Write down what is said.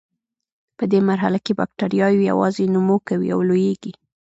په دې مرحله کې بکټریاوې یوازې نمو کوي او لویږي.